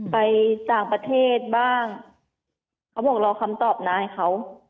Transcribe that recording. ไปต่างประเทศบ้างเขาบอกรอคำตอบนายเขา